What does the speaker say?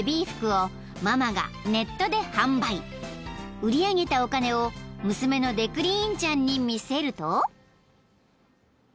［売り上げたお金を娘のデクリーンちゃんに見せると］